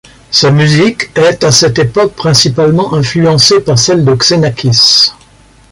Sa musique est à cette époque principalement influencée par celle de Xenakis.